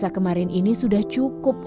dan kemudian kemudian kemudian kemudian kemudian